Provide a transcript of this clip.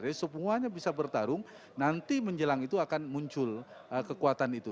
jadi semuanya bisa bertarung nanti menjelang itu akan muncul kekuatan itu